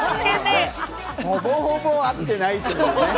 ほぼほぼ会ってないというね。